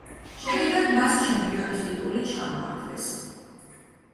შედეგად მას ჩემპიონის ტიტული ჩამოართვეს.